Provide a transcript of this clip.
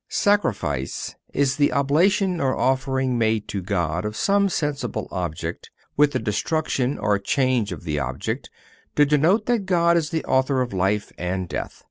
Sacrifice is the oblation or offering made to God of some sensible object, with the destruction or change of the object, to denote that God is the Author of life and death.